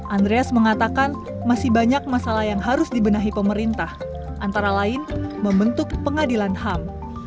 andreas mengatakan masih banyak masalah yang harus dibenahi pemerintah antara lain membentuk pengadilan ham